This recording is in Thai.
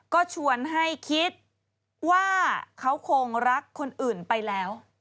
ก็ชวนให้คิดว่าเขาคงรักคนอื่นไปแล้ว